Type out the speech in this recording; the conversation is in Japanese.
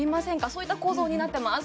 そういった構造になってます